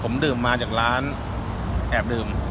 ผมดื่มมาจากร้านแอบดื่ม